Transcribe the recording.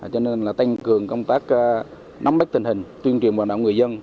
cho nên là tăng cường công tác nắm bếp tình hình tuyên truyền bảo đảm người dân